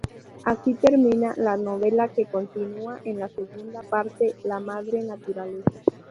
Así termina la novela, que continúa en la segunda parte "La madre naturaleza".